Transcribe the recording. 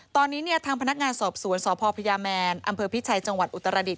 ตอนนี้เนี่ยทางพนักงานสอบสวนสพพญาแมนอำเภอพิชัยจังหวัดอุตรดิษ